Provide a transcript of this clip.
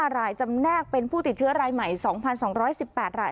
๕รายจำแนกเป็นผู้ติดเชื้อรายใหม่๒๒๑๘ราย